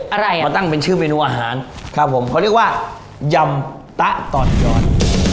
อะไรอ่ะมาตั้งเป็นชื่อเมนูอาหารครับผมเขาเรียกว่ายำตะตอนย้อน